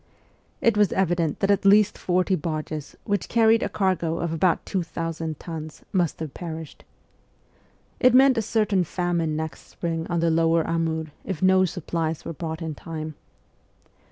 It was evident that at least forty barges, which carried a cargo of about 2,000 tons, must have perished. It meant a certain famine next spring on the lower Amur if no supplies were brought in time.